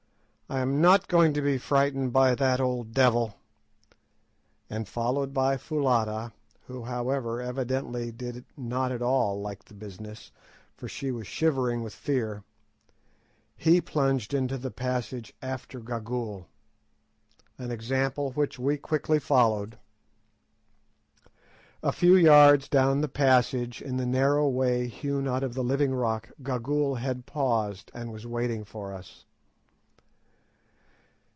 I am not going to be frightened by that old devil;" and followed by Foulata, who, however, evidently did not at all like the business, for she was shivering with fear, he plunged into the passage after Gagool—an example which we quickly followed. A few yards down the passage, in the narrow way hewn out of the living rock, Gagool had paused, and was waiting for us.